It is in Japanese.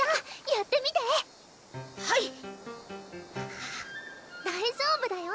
ハァ大丈夫だよ